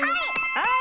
はい！